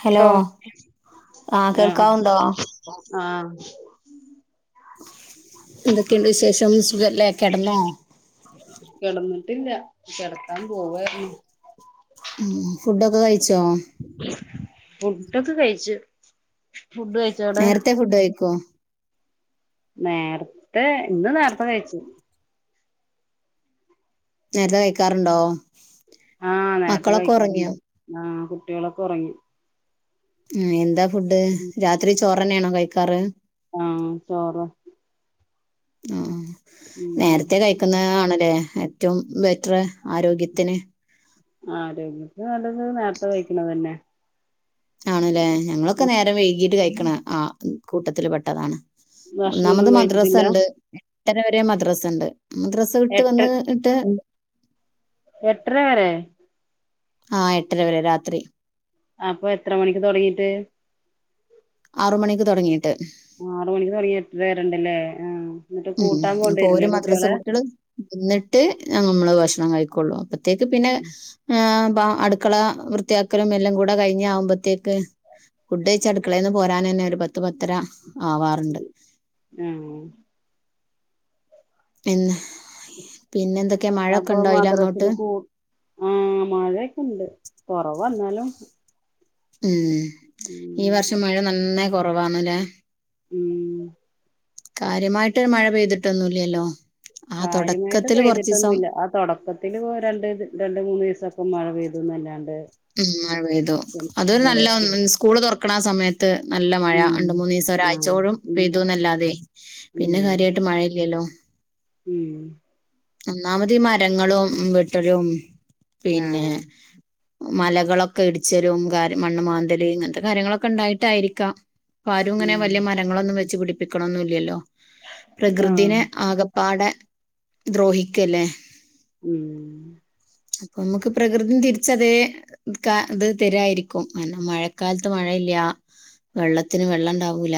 Hello ആഹ് കേൾക്കാവുണ്ടോ ആഹ് എന്തൊക്കെണ്ട് വിശേഷം സുഖല്ലേ? കെടന്നോ ട്ടില്ല കെടക്കാൻ പോവാരുന്നു ഉം ഫുഡൊക്കെ കഴിച്ചോ ഫുഡോക്കെ കഴിച്ചു ഫുഡ് കഴിച്ചോടെ നേരത്തെ ഫുഡ് കയ്ക്കോ നേരത്തെ ഇന്ന് നേരത്തെ കഴിച്ചു നേരത്തെ കഴിക്കാറ്ണ്ടോ ആഹ് നേരത്തെ കഴിക്കാറുണ്ട് ആഹ് കുട്ടികളൊക്കെ ഉറങ്ങി. ഉ എന്താ ഫുഡ് രാത്രി ചോറ്ന്നെയാണോ കഴിക്കാറ് ആഹ് ചോറാ ആ നേരത്തെ കഴിക്കുന്ന ആണ് അല്ലെ ഏറ്റവും ബെറ്റർ ആരോഗ്യത്തിന് ആ ആരോഗ്യത്തിന് നല്ലത് നേരത്തെ കഴിക്കണ തന്നെ ആണല്ലേ ഞങ്ങളൊക്കെ നേരം വൈകീട്ട് കഴിക്കണ ആ കൂട്ടത്തില് പെട്ടതാണ്. ഒന്നാമത് ഭക്ഷണൊന്നും മദ്രസ കഴിച്ചിട്ടില്ല ഉണ്ട് എട്ടര വരെ മദ്രസ്ണ്ട് മദ്രാസ വിട്ട് എട്ട് വന്ന് ഇട്ട് എട്ടര വരെ? ആ എട്ടര വരെ രാത്രി അപ്പൊ എത്ര മണിക്ക് തൊടങ്ങീട്ട്? ആറു മണിക്ക് തൊടങ്ങീട്ട്. ആറ് മണിക്ക് തുടങ്ങി എട്ടര വരെണ്ടല്ലേ ആഹ് എന്നിട്ട് ഉം കൂട്ടാൻ അപ്പൊ ഓര് പോണ്ടിവരില്ലേ മദ്രസ കുട്ടികളെ കുട്ടികളും നിന്നിട്ട് നമ്മള് ഭക്ഷണം കഴിക്കൊള്ളു അപ്പ അത്തേക്ക് പിന്നെ ആ അപ്പ അടുക്കള വൃത്തിയാക്കലും എല്ലാം കൂടെ കഴിഞ്ഞ ആകുമ്പത്തേക്ക് ഫുഡഴച്ച് അടുക്കളയിന്ന് പോരാൻ തന്നെ ഒരു പത്ത് പത്തര ആവാറുണ്ട് ആഹ് പിന്നെ പിന്നെന്തൊക്കെയാ മഴയൊക്കെ അപ്പൊ ഉണ്ടോ അതിലങ്ങോട്ട്? മദ്രസേല് കൂ ആ മഴൊക്കെ ണ്ട് കൊറവാ എന്നാലും ഉം ഈ ഉം വർഷം മഴ നന്നായി കൊറവാണ്ല്ലേ ഉം കാര്യമായിട്ട് മഴ പെയ്തിട്ടൊന്നുംല്ലല്ലോ കാര്യമായിട്ട് പെയ്തിട്ടൊന്നുംല്ല ആ തൊടക്കത്തില് പോ രണ്ട് രണ്ട് മൂന്ന് ദിവസം പ്പോ മഴ പെയ്തുന്നല്ലാ ഉം മഴ പെയ്തു അതൊരു നല്ല സ്കൂള് തുറക്കണ ആ സമയ ത്ത് നല്ല മഴ ഉം രണ്ട് മൂന്നീസം ആഹ് ഒരാഴ്ചോഴും ഉം പെയ്തുന്നല്ലാതെ ഉം പിന്നെ കാര്യമായിട്ട് മഴയില്ല്യല്ലോ. ഉം. ഒന്നാമതീ മരങ്ങളും വെട്ടലും പിന്നെ ആഹ് മലകളൊക്കെ ഇടിച്ചലും കാര് മണ്ണ് മാന്തല് ഇങ്ങനത്തെ കാര്യങ്ങളൊക്കെ ഉണ്ടായിട്ടായിരിക്കാം. ആരും ഇങ്ങനെ ഉം വല്ല്യ മരങ്ങളൊന്നും വെച്ച് പിടിപ്പിക്കണൊന്നുമില്ല്യല്ലോ ആഹ് പ്രകൃതിനെ ആകപ്പാടെ ദ്രോഹിക്കല്ലേ. ഉം നമുക്ക് പ്രകൃതിയും തിരിച്ച് അതേ അത് തരായിരിക്കും കാരണം മഴക്കാലത്ത് മഴ ഇല്ല വെള്ളത്തിന് വെള്ളം ഇണ്ടാവൂല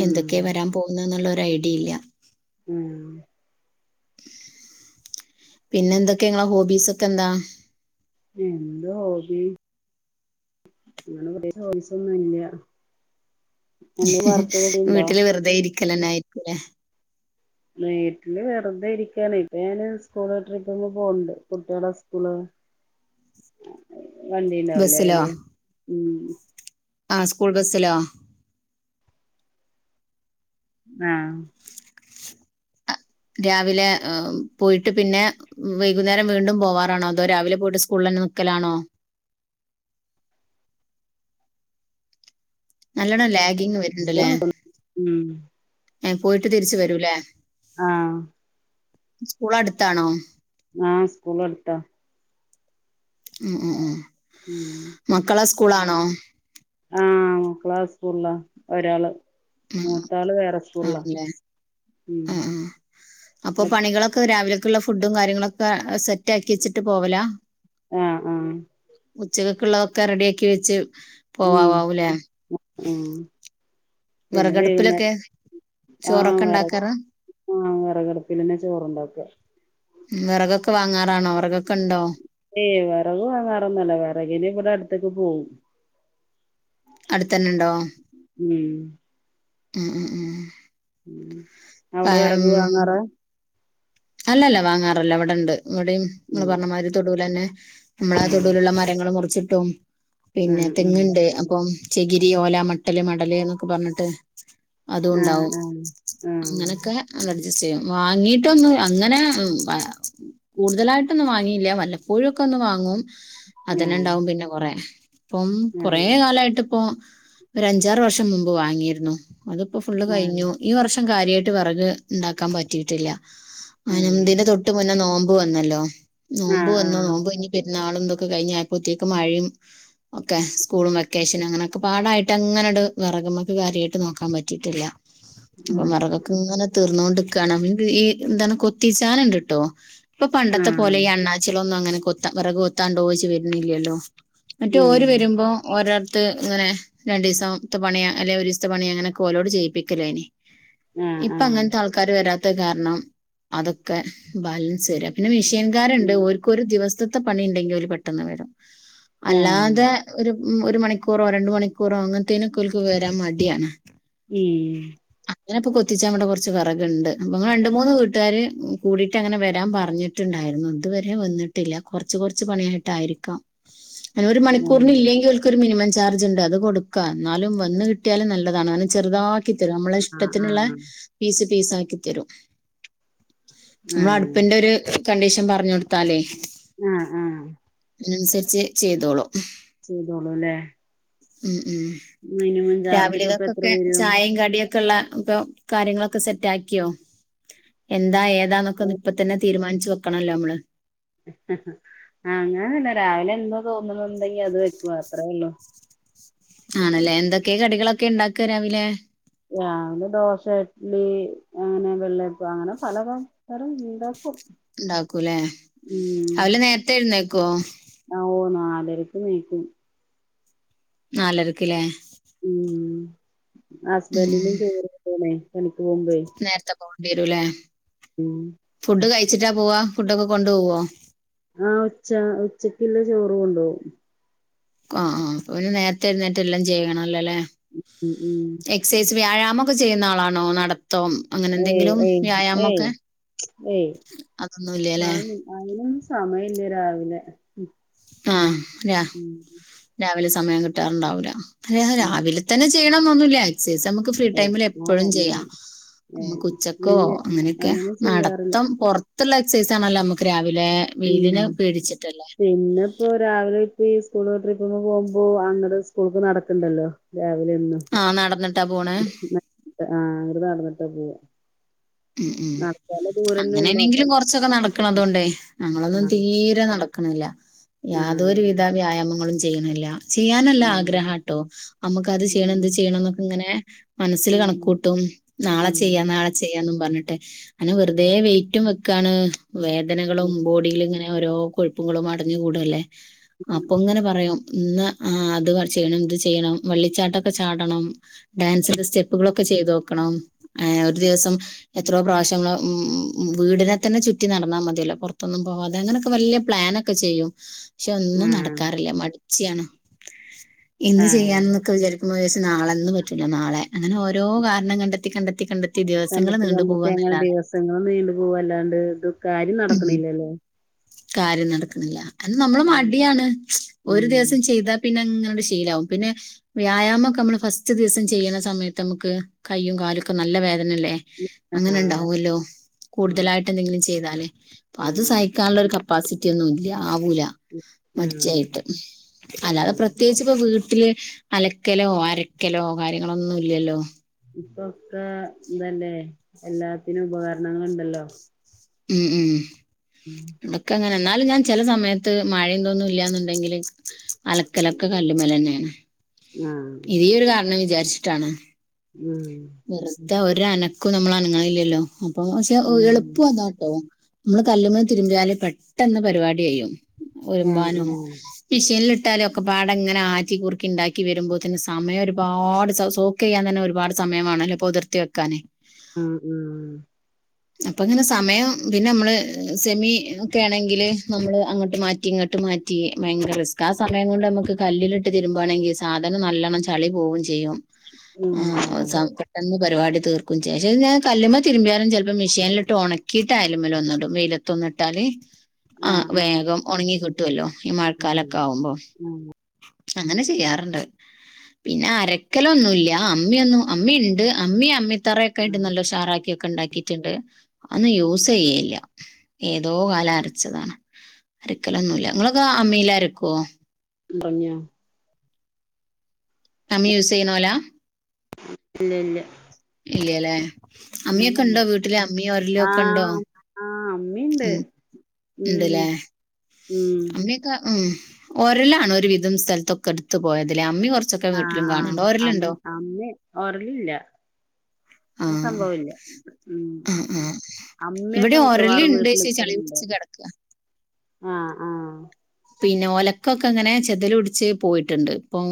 ഉം എന്തൊക്കെയാ വരാൻ പോകുന്നേന്ന് ഉള്ള ഒരു ഐഡിയ ഇല്ല ഉം പിന്നെ എന്തൊക്കെയാ നിങ്ങള് ഹോബീസ് ഒക്കെ എന്താ എന്ത് ഹോബി അങ്ങനെ കുറേ ചോയ്സൊന്നും ഇല്ല എന്തേലും വർക്കൊക്കെ ചെയ്യ്ണ്ടോ വീട്ടില് വെറുതെ ഇരിക്കല് തന്നെ ആയിരിക്കും ഇല്ലേ വീട്ടില് വെറുതെ ഇരിക്കാണ് ഇപ്പൊ ഞാന് സ്കൂള് ട്രിപ്പ്‌ ഒക്കെ പോവണ്ട് കുട്ടികളെ സ്കൂള് വണ്ടി ഉണ്ടാവില്ലേ അയില് ഉം ആഹ് സ്കൂൾ ബസ്സിലോ ആഹ് രാവിലെ പോയിട്ട് പിന്നെ വൈകുന്നേരം വീണ്ടും പോവാറാണോ അതോ രാവിലെ പോയിട്ട് സ്കൂളിൽ തന്നെ നിൽക്കലാണോ നല്ലോണ്ണം ലാഗിങ് വരുന്നുണ്ടല്ലേ സ്കൂൾ ഉം ഏഹ് പോയിട്ട് തിരിച്ച് വരൂല്ലേ ആഹ് സ്കൂള് അടുത്താണോ ആഹ് സ്കൂള് അടുത്താ ഉം ഉം ഉം ഉം മക്കള സ്കൂളാണോ ആഹ് ക്ലാസ് ഫുള്ളാ ഒരാള് ഉം മൂത്താള് വേറെ സ്കൂളിലാ ആണല്ലേ ഉം ആ ആ അപ്പൊ പണികളൊക്കെ രാവിലെ ക്കുള്ള ഫുഡും കാര്യങ്ങളൊക്കെ സെറ്റ് ആക്കി വെച്ചിട്ട് പോവല ആഹ് ആഹ് ഉച്ചക്കുള്ളതൊക്കെ റെഡി ആക്കി വെച്ച് ഉം പോവാവാവൂലേ ഉം പിന്നെ വൈകുന്നേരം വിറകടുപ്പിലൊക്കെ ആഹ് ചോറൊക്കെ വിറക് ഉണ്ടാക്കാറാ ആഹ് വിറകിടപ്പിൽതന്നെ ചോറുണ്ടാക്കാ വിറകൊക്കെ വാങ്ങാറാണോ വിറകൊക്കെ ഉണ്ടോ ഏയ് വിറക് വാങ്ങാറൊന്നുമില്ല വിറകിന് ഇവിടെ അടുത്തെക്കെ പോവും അടുത്ത് തന്നുണ്ടോ ഉം ഉം ഉം ഉം ഉം ആ, അവിടെ വിറക് ഉം. വാങ്ങാറാ അല്ലല്ല വാങ്ങാറില്ല ഇവിടൊണ്ട് ഇവിടെയും നിങ്ങള് ഉം പറഞ്ഞമാതിരി തൊടുവൽ തന്നെ നമ്മള് ആ ആഹ് തൊടുവിലുള്ള മരങ്ങള് മുറിച്ചിട്ടും പിന്നെ ആഹ് ആഹ് തെങ്ങുണ്ട് അപ്പം ചെകിരി ഓല മട്ടല് മടല് എന്നൊക്കെ പറഞ്ഞിട്ട് അതും ആഹ് ഉണ്ടാവും ആഹ് ആഹ് അങ്ങനെയൊക്കെ നല്ല അഡ്ജസ്റ്റ് ചെയ്യും വാങ്ങിട്ടൊന്ന് അങ്ങനെ കൂടുതലായിട്ടൊന്നും വാങ്ങിയില്ല വല്ലപ്പോഴുമൊക്കെ ഒന്ന് വാങ്ങും ആഹ് അതന്നെ ഉണ്ടാവും പിന്നെ കൊറേ ഇപ്പം കൊറേ ആഹ് കാലായിട്ട് ഇപ്പൊ ഒരു അഞ്ചാറ് വർഷം മുമ്പ് വാങ്ങിയിരുന്നു അതിപ്പോ ഫുള്ള് ആഹ് കഴിഞ്ഞു ഈ വർഷം കാര്യമായി ട്ട് വിറക് ഉണ്ടാക്കാൻ പറ്റീട്ടില്ല അയിന് ആഹ് ഇതിന്റെ തൊട്ട് മുന്നേ നോമ്പ് വന്നല്ലോ നോമ്പ് ആഹ് ആഹ് വന്നോ നോമ്പോ ഇനി പെരുന്നാളും കഴിഞ്ഞപ്പോത്തേക്ക് മഴയും ഒക്കെ സ്കൂളും വെക്കേഷനും അങ്ങനെയൊക്കെ പാടായിട്ട് അങ്ങനെട് വെറ നമ്മക്ക് കാര്യമായിട്ട് നോക്കാൻ പറ്റിയിട്ടില്ല അപ്പോ ആഹ് വിറകൊക്കെ ഇങ്ങനെ തീർന്നോണ്ട്നിക്കാണ് ഈ എന്താണ് കൊ [unintelligible] ഇപ്പൊ പണ്ടത്തെ ആഹ് പോലെ ഈ അണ്ണാച്ചിലൊന്നും അങ്ങനെ വിറക് കൊത്ത കൊത്താണ്ടയിച്ച് വരുന്നില്ലല്ലോ മറ്റേ ഓര് ആഹ് വരുമ്പോ ഓ ത്ത് ഇങ്ങനെ രണ്ട ദിവസത്തെ പണിയാ അല്ലെങ്ക ഒരു ദസത്തെ പണിയ അങ്ങനെ കോലോട് ചെയ്യിപ്പിക്കല്ലോ ഇനി ആഹ് ഇപ്പൊ ആഹ് അങ്ങനത്തെ ആൾക്കാര് വരാത്ത കാരണം അതൊക്കെ ബാലൻ ശരി പിന്നെ മിഷിയൻകാരുണ്ട് ഉം ഒരുക്ക ഒരു ദിവസത്തെ പണി ഉണ്ടെങ്കിൽ അവ പെെന്ന് വരാം ആഹ് അല്ലാതെ ഒരു ഉ ഒരു മണിക്കൂറോ രണ്ട മണിക്കൂറോ അങ്ങനത്തേനുംക്കൽക്ക് വരാൻ മടിയാണ് ഈ ഇഞപ്പൊ കൊത്തിച്ചാ നമ്മടെ കുറച്ച് വിറകുണ്ട് അപ്പ രണ്ട് മൂന്ന് വീ കൂട്ടാാര് കൂടിയിട്ട് അങ്ങനെ വരാൻ പറഞ്ഞിട്ടുണ്ടായിരുന്നു ഇതുവരെ വന്നിട്ടില്ല കുറച്ച കുറച്ച് പണിയായിട്ടായിരിക്കാം അനെ ഒരു ഉം മണിക്കൂറിന് ഇല്ലെങ്കിൽക്ക ഒരു മിനി ചാർജ് ഉണ്ട് അത് കൊടുക്കുക എന്നാലും വന്ന് കിട്ടിയാലും നല്ലതാണ് അങ്ങനണം ചെറുതായിട്ട ആി തരും നമ്മള ആഹ് ഇഷ്ടത്തിനുള്ള ആഹ് പീസ് പീസ് ആക്കിത്തരും ആഹ് നമ്മൾ ആഹ് അടുപ്പിന്റെ ഒരു കണ്ടീഷൻ പറഞ്ഞു കൊടുത്താലേ ആഹ് ആഹ് അതിനനുസരിച്ച് ചെയ്തോളൂ ചെയ്തോളൂല്ലേ ഉം ഉം മിനിമം ചാർജൊക്കെ ഇപ്പ എത്ര രാവിലൊക്കൊക്കെ വരും ചായയും കടിയൊക്കെ ഇ കാര്യങ്ങളൊക്കെ സെറ്റ് ആക്കിയോ എന്താ ഏതാന്നൊക്കെന്ന് ഇപ്പ തന്നെ തീരുമാനിച്ച വെക്കണല്ലോ നമ്മള് അങ്ങന തന്നെ രാവിലെ എന്തോ തോന്നുന്നുണ്ടെങ്കി അത് വയ്ക്കു അത്രേ ഉള്ളു ആണല്ലേ എന്തൊക്കെയ കടികളൊക്കെ ഉണ്ടാക്കി വരാവില്ലേ രാവിലെ ദോശ ഇഡ്ലി അങ്ങനെ വെള്ളയപ്പ അങ്ങനെ പലും ഇണ്ട് ഉണ്ടാക്കൂല്ലേ അവല് നേരത്തൊയിുന്നേക്കോ എർക്കും നീക്കും നാലരക്കില്ലേ ഉം ഹസ്ബൻറിും ഉം. ചോറ്ണേ തനിക്ക് പോ്പേ വരൂലേ ഉം വച്ചിട്ടാ പോവാ ഫുഡൊക്ക കൊുപ പോവോ ആഹ ഉച്ച ഉച്ചക്കുള്ള ചോറ് കൊണ്ടോവും ആ ആ് അ പിെ നേരത്തെ എരുന്നേറ്റ് എല്ലാം ചെയ്യണംല്ലേ അല്ലെ ഉ ഉ ഉം വ്യായാമംൊക്കെ ചെയ്യുന്ന ആളാണോ നടത്തം അങ്ങനെ ഏയ് എന്തെങ്കിലും ഏയ് ഏയ് വ്യായാമംൊക്കെ ഏയ് അും അയനും സമയമല്ലേ രാവിലെ ആഹ അല്ല ഉം രാവിലെ സമയം കിട്ടാറുണ്ടാവല അ ഉം രാവിലെ തന്നെ ചെയ്യണം ാക്സസ് നമുക്ക് ഫ്രീ ടൈമിൽ എപ്പോഴും ആഹ് ഉം ചെയ്യാം അമ്മ ഏഹ് ഉച്ചക്കോ ഇല്ല അങ്ങനെയൊക്കെ അങ്ങനെ ചെയ്യാറില്ല നടത്തം പുറ അത്തുള്ള എക്സസൈസ് ആണല്ലോ നമുക്ക് രാവിലെ വെയിലിന് പേടിച്ചിട്ടല്ലേ ഇപ്പോൊ രാവിലെ ഇപ്പ ഈ സ്കൂള് ട്രിപ്പി പോകുമ്പോൾ അങ്ങടെ സ്കൂൾക്ക് നടക്കണ്ടല്ലോ രാവലും ആഹ് നടന്നിട്ടാ പോണേ ആ അവങ്ങ നടന്നിട്ട് പോവാ ഉം ഉം നടക്കാള്ള ദൂരന്നെ ഉള്ളൂ അപ്പൊ അങ്ങനെണെങ്കിലും കൊറച്ചൊക്കെ നടക്കണം അതുകൊണ്ടേ ഞങ്ങളൊന്നും ആഹ് തീരെ നടക്ക ആണില്ല ആഹ് യാതൊരു വിധ വ്യായാമങ്ങളും ചെയ്യണില്ല ചെയ്യാനല്ല ആഹ് ആഗ്രഹ കേട്ടോ നമ്മുക്ക് അത് ചെയ്യണം ആഹ് എന്ത് ചെയ്യണം എന്നൊക്കെ ഇങ്ങനെ മനസ്സിൽ കണക്ക ആഹ് കൂട്ടും നാളെ ചെയ്യാം ആഹ് നാളെ ചെയ്യാംന്നും പറഞ്ഞിട്ടെ അെ വെറുതെ വെയിറ്റും ക്കാണ് വേദനകളും ബോഡിൽ ഇങ്ങനെ ഓരോ കൊഴുപ്പങ്ങളും അടഞ്ഞു കൂടും അല്ലേ അപ്പൊ ഉം ഇങ്ങനെ പറയാം ഇന്ന് ആ് അത് ചെയ്യണം ഇത് ചെയ്യണം വെള്ളിച്ചാട്ടൊക്കെ ചാടണം ഡാൻസി സ്റ്റെപ്പുകളൾൊക്കെ ഒക്കെ ചെയ്ത് നോക്കണം ഏ ഒരു ദിവസം എത്രോ പ്രാവശ്യം ഉ വീടിനെ തന്നെ ചുറ്റി നടന്നാൽ മതിയല്ലോ പുറത്തൊന്നും പോവാാതെ അങ്ങനൊക്കെ വലിയ പ്ലാൻ എനൊക്കെ ചെയ്യും പക്ഷെ ഒന്നും ആഹ് നടക്കാറില്ല മടിച്ചിയാണ് ഇന്ന് ചെയ്യാൻ ആഹ് എന്നൊക്കെ വിചാ ശ നാളെന്ന് പറ്റല്ലോ നാളെ അങ്ങനെ ഓരോ കാരണം കണ്ടെത്തി കണ്ടെത്തി കണ്ടെത്തി ദിവസങ്ങള് കണ്ടിട്ട് നീണ്ട കണ്ടിട്ട് അങ്ങനെ ദിവസങ്ങളും നീണ്ടു പോവല്ലാണ്ട് ഇത് ക ഉം അണല്ലല്ലേ കാര്യം നടക്കുന്നില്ല അ നമ്മള് ഉം മടിയാണ് ഒരു ഉം ദിവസം ചെയ്താ പിന്നങ്ങനൊരു ശീലമാവും പിന്നെ വ്യായാമമൊക്കെ നമ്മള് ഫസ്റ്റ് ദിവസം ചെയ്യുന്ന സമയത്ത് നമുക്ക് കയ്യും കാ കാലൊക്കെ നല്ല വേദനല്ലേ ആഹ് അങ്ങനെണ്ടാവുല്ലോ ആഹ് കൂടുതലായിട്ട് എന്തെങ്കിലും ചെയ്താലേ പ്പൊ അത് ആഹ് സഹിക്കാനുള്ള ഒരു കപ്പാസിറ്റി ഒന്നും ഇല്ല. ആവൂല ആഹ് മരിച്ചയിട്ട് അല്ലാതെ ആഹ് പ്രത്യേകിച്ചിപ്പ വീ ട്ടില് അലക്കലോ അരക്കലോ കാര്യങ്ങളൊന്നും ഇല്ലല്ലോ ഇപ്പൊക്കെ ഇതല്ലേ എല്ലാത്തിനും ഉപകരണങ്ങളുണ്ടല്ലോ ഉം ഉം ഉം അതൊക്കെ അങ്ങനെ എന്നാലും ഞാൻ ചില സമയത്ത് മഴ ഒന്നും ഇല്ലന്നുണ്ടെങ്കില് അലക്കലൊക്കെ കല്ലുമല് തന്നെയാണ് ആഹ് ഇത് ഇ ഒരു കാരണം വിചാരിച്ചിട്ടാണ് ഉം വെറുതെ ഒര് അനക്കവും നമ്മൾ അനങ്ങണില്ലല്ലോ അപ്പൊ പക്ഷെ ഉം എളുപ്പം അതാട്ടോ നമ്മള് കല്ലുമേ തിരുമ്പിയാല് പെട്ടെന്ന് പരിപാടി കഴിയും ആഹ് ഒരുമ്പാനും ആഹ് പിശെല്ലേ ട്ടാലും ഒക്കെ പാടങ്ങനെ ആറ്റി കുറുക്കി ഉണ്ടാക്കി വരുമ്പോ തന്നെ സമയം ഒരുപാട് സ് സോക്ക് ചെയ്യാൻ തന്നെ ഒരുപാട് സമയം വേണല്ലോ പൊതിർത്തി വെക്കാനെ ആ ഉം.... അപ്പൊ അങ്ങനെ സമയം പിന്നെ നമ്മള് സെമി ഒക്കെ ആണെങ്കില് നമ്മള് അങ്ങോട്ട് മാറ്റിങ്ങി ട്ട് മാറ്റി ഭയങ്കര റിസ്കാ ആ സമയം കൊണ്ട് നമുക്ക് കല്ലിലിട്ടു തിരുമ്പാണെങ്കിൽ സാധനം നല്ലണം ചളി പോവുകേം ചെയ്യും ഉം സാം പട്ടന്നെ പരിപാടി തീർക്കും ശേഷ ഞാൻ കല്ലുമ്മേ തിരുമ്പിയാലും ചിലപ്പം മെഷീനിലിട്ടു ഉണക്കിയിട്ട് അലുമേൽ ഒന്നിടും വെയിലത്തോ നട്ടാലേ ആ ആഹ് ആഹ് വേഗം ആഹ് ഉണങ്ങിക്കിട്ടുവല്ലോ ഈ ആഹ് മഴക്കാലൊക്കെ ആവുമ്പോ അങ്ങനെ ചെയ്യാറുണ്ട് പിന്നെ അരക്കലൊന്നുമില്ല അമ്മിയൊന്നും അമ്മിയുണ്ട് അമ്മി അമ്മിത്തറയൊക്കെയിട്ട് നല്ല ഉഷാറാക്കിയേക്ക് ഒണ്ടാക്കിയിട്ടുണ്ട് അന്ന് യൂസ് ചെയ്യില്ല ഏതോ കാലം അരച്ചതാണ് അരക്കലൊന്നുമില്ല നിങ്ങളൊക്കെ അമ്മീയിലരക്കുവോ പറിഞ്ഞിയോ കമ്മി യൂസ് ചെയ്യുന്നോലാ ഇല്ല ഇല്ല ഇല്ല്യല്ലേ അമ്മിയൊക്കെ ഉം ഉണ്ടോ വീട്ടിലെ അമ്മിയോ ഒരിലോ ഒക്കെണ്ടോ ആഹ് ആഹ് അമ്മീണ്ട് ഉം ഉം ഉന്തല്ലേ ഉം അമ്മിയൊക്കെ ഉ ഒരലാണോ ഒരു വിധം സ്ഥലത്തൊക്കെ എടുത്ത് പോയതില് അമ്മി കുറച്ചൊക്കെ വീട്ടിലും കാണണുണ്ട് ഓരലുണ്ടോ ഒരലില്ല ആ സംഭവവില്ല ഉ ആ ആ ഇവിടെ അമ്മയൊക്കെ മിക്കവാറും ഒരലുണ്ട് വീട്ടില് പക്ഷെ [inaudible] ചളി പിടിച്ച് കിടക്കുക ആ ആ പിന്നെ ഒലക്കൊക്കെ ഇങ്ങനെ ചെതില് പിടിച്ച് പോയിട്ടുണ്ട് ഇപ്പം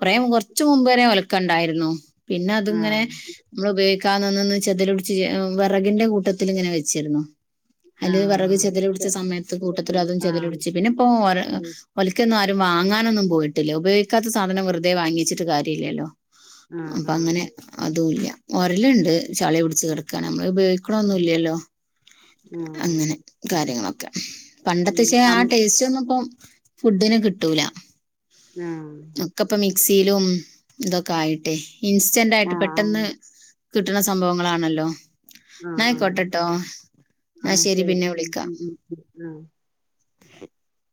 കൊറേ കുറച്ച് മുമ്പ് വരെ ഒലക്ക ഉണ്ടായി രുന്നു പിന്നെ അതിങ്ങനെ ആഹ് നമ്മള് ഉപ കാന്നന്നിന്ന് ചെതില് പിടിച്ച് വിറകിന്റെ കൂട്ടത്തിൽ ഇങ്ങനെ വെച്ചിരുന്നു അല്ല വിറക് ചെതില് ആഹ് പിടിച്ച സമയത്ത് കൂട്ടത്തില് അതും ചെതില് ആഹ് പിടിച്ച് പിന്നെ ഇപ്പോ ഒരൽ ആഹ് ഒലക്കെ ഒന്നും ആ വാങ്ങാനൊന്നും പോയിട്ടില്ല ഉപയോഗിക്കാത്ത സധനം വെറുതെ വാങ്ങിച്ചിട്ട് കാര്യമില്ലല്ലോ ആഹ് അപ്പൊ അങ്ങനെ ആഹ് അതുമില്ല ഒരലുണ്ട് ചളി പിടിച്ച് കിട നമ്മള് ഉപയോഗിക്കണൊന്നുമില്ലല്ലോ അങ്ങനെ കാര്യങ്ങളൊ ഉം പണ്ടത്തെച്ചേ ആ അം ടേസ്റ്റ് ഒന്നും ഇപ്പം ഫുഡിന് കിട്ടൂല ആഹ [unintelligible] ഇതൊക്കെ ആയിട്ട ഇൻസ്റ്റാന്റെ ആയിട്ടു ആഹ് പെട്ടെന്ന് കിട്ടുന്ന സംഭവങ്ങളാണല്ലോ എന്നായിക്കോട്ടോ കേട്ടോ ആഹ ശരി ഉ ഉ ഉ ഉ ആഹ [inaudible]